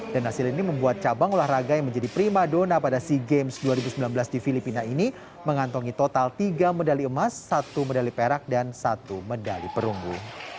hasil ini membuat cabang olahraga yang menjadi prima dona pada sea games dua ribu sembilan belas di filipina ini mengantongi total tiga medali emas satu medali perak dan satu medali perunggu